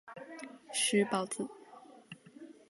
石皋子。